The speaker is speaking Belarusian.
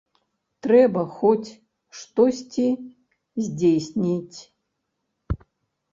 Трэба хоць штосьці здзейсніць.